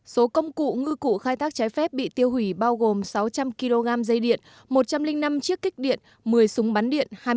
số công cụ ngư cụ khai thác trái phép bị tiêu hủy bao gồm sáu trăm linh kg dây điện một trăm linh năm chiếc kích điện một mươi súng bắn điện